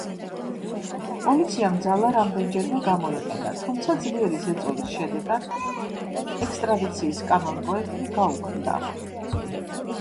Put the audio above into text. პოლიციამ ძალა რამდენჯერმე გამოიყენა, თუმცა ძლიერი ზეწოლის შედეგად, ექსტრადიციის კანონპროექტი გაუქმდა.